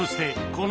この。